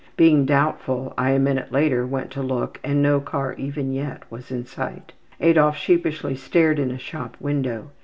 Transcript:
Being doubtful, I a minute later went to look and no car even yet was in sight. Adolf sheepishly stared in a shop window.